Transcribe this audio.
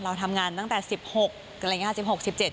เราทำงานตั้งแต่๑๖อะไรอย่างนี้